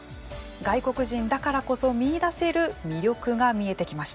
外国人だからこそ見いだせる魅力が見えてきました。